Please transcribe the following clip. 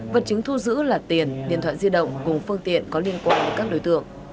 vật chứng thu giữ là tiền điện thoại di động cùng phương tiện có liên quan với các đối tượng